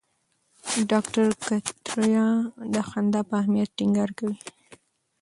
ډاکټر کتاریا د خندا په اهمیت ټینګار کوي.